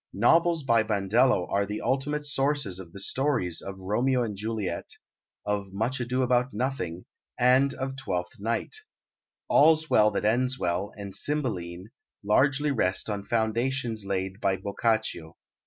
Novels by Bandello are the ultimate sources of the stories of Romeo and Juliet, of Much Ado about Nothing, and of Twelfth Night. All's Well that Ends Well and Cymbeline largely rest on foundations laid by Boccaccio.